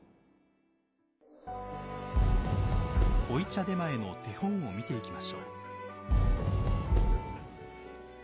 濃茶点前の手本を見ていきましょう。